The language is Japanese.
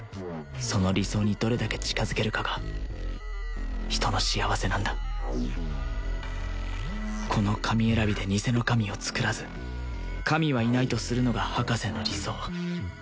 その理想にどれだけ近づけるかが人の幸せなんだこの神選びで偽の神をつくらず神はいないとするのが博士の理想